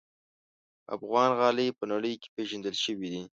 افغان غالۍ په نړۍ کې پېژندل شوي دي.